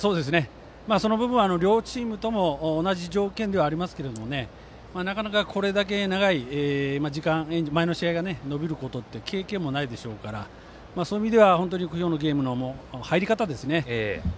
その部分は両チームとも同じ条件ではありますけどなかなか長い時間前の試合が延びることって経験もないでしょうからそういう意味ではゲームの入り方ですよね。